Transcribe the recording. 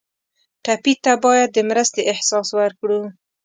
ټپي ته باید د مرستې احساس ورکړو.